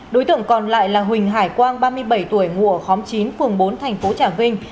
đối tượng còn lại là huỳnh hải quang ba mươi bảy tuổi ngụ ở khóm chín phường bốn thành phố trà vinh